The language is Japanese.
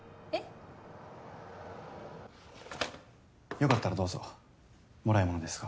良かったらどうぞもらいものですが。